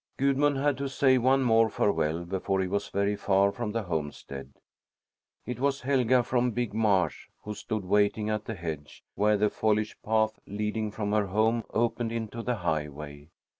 Gudmund had to say one more farewell before he was very far from the homestead. It was Helga from Big Marsh, who stood waiting at the hedge, where the foliage path leading from her home opened into the highway.